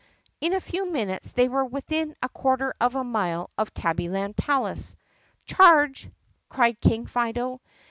In a few minutes they were within a quarter of a mile of Tabbyland Palace. "Charge!" cried King Fido.